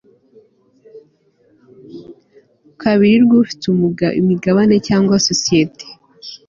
kabiri rw ufite imigabane cyangwa sosiyete